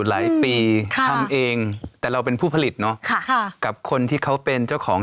หลายปีทำเองแต่เราเป็นผู้ผลิตเนอะกับคนที่เขาเป็นเจ้าของ